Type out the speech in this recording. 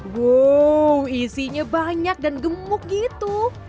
wow isinya banyak dan gemuk gitu